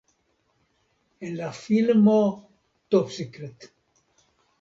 En la filmo "Top Secret!